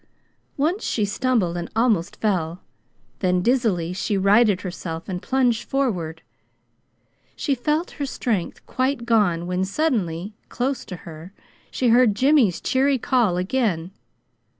Once she stumbled and almost fell. Then, dizzily she righted herself and plunged forward. She felt her strength quite gone when suddenly, close to her, she heard Jimmy's cheery call again.